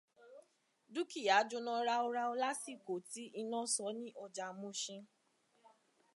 Dúkìá jóná ráúráú lásìkò tí iná sọ ní ọjà Muṣin.